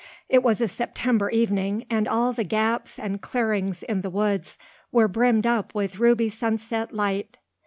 It was a September evening and all the gaps and clearings in the woods were brimmed up with ruby sunset light.